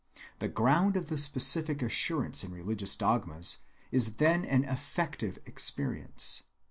The ground of the specific assurance in religious dogmas is then an affective experience.